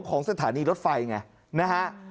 ของสถานีรถไฟไงนะฮะ